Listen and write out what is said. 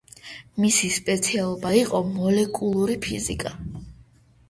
მისი სპეციალობა იყო მოლეკულური ფიზიკა.